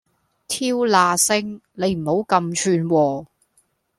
挑那星！你唔好咁串喎